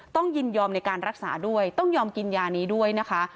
ยินยอมในการรักษาด้วยต้องยอมกินยานี้ด้วยนะคะ